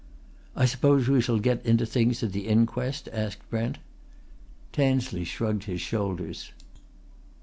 "I suppose we shall get into things at the inquest?" asked Brent. Tansley shrugged his shoulders.